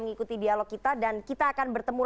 mengikuti dialog kita dan kita akan bertemu